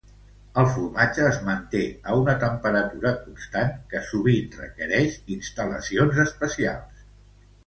El formatge es manté a una temperatura constant que sovint requereix instal·lacions especials.